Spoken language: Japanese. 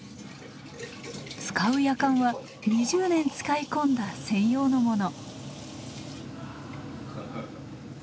使うやかんは２０年使い込んだ専用のもの。